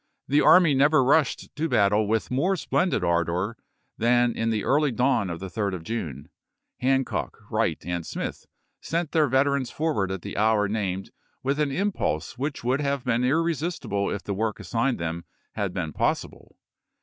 The army never rushed to battle with more splendid ardor than in the early dawn of the 3d of June. Hancock, Wright, and Smith sent i864. their veterans forward at the hour named with an impulse which would have been irresistible if the work assigned them had been possible.